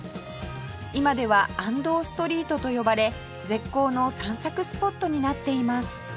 今では安藤ストリートと呼ばれ絶好の散策スポットになっています